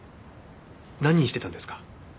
何してたんですか？